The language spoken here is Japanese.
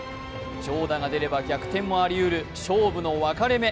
長打が出れば逆転もありうる勝負の分かれ目。